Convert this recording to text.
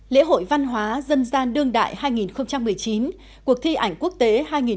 lễ hội văn hóa dân gian đương đại hai nghìn một mươi chín cuộc thi ảnh quốc tế hai nghìn một mươi chín